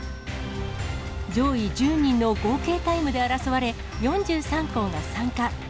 上位１０人の合計タイムで争われ、４３校が参加。